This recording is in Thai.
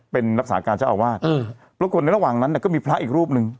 เป็นรักษาการเจ้าอวาทแล้วก็ในระหว่างนั้นก็มีพระอีกรูปนึง